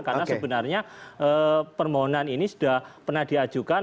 karena sebenarnya permohonan ini sudah pernah diajukan